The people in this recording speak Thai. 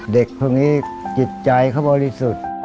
เด็กพวกนี้จิตใจเขาบริสุทธิ์